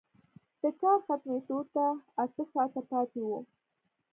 د کار ختمېدو ته اته ساعته پاتې وو